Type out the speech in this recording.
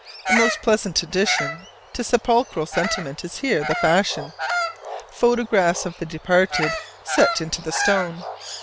A most unpleasant addition to sepulchral sentiment is here the fashion: photographs of the departed set into the stone.